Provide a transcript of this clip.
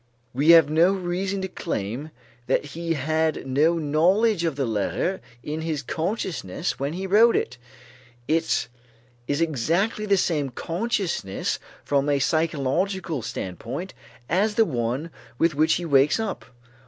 We have no reason to claim that he had no knowledge of the letter in his consciousness when he wrote it. It is exactly the same consciousness from a psychological standpoint as the one with which he wakes up.